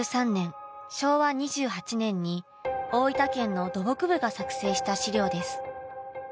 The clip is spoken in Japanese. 昭和２８年に大分県の土木部が作成した資料です。